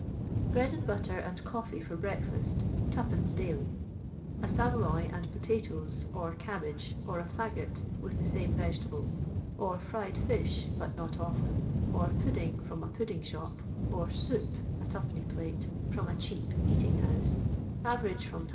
Daily. *. d. Bread and butter and coffee for break Cut 0 2 A saveloy and potatoes, or cabbage ; or a *' £sgot," with the same vegetables ; or fried fish (but not often) ; or pudding, from a pudding shop ; or soup (a twopenny plate) from a cheap eating house; average from 2d.